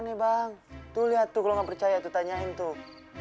nanti bang tuh lihat tuh kalau gak percaya tanyain tuh